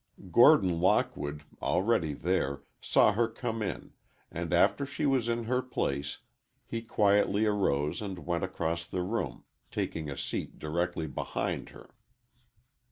Gordon Lockwood, already there, saw her come in, and after she was in her place, he quietly arose and went across the room, taking a seat directly behind her.